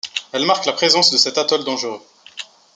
Elle marque la présence de cet atoll dangereux.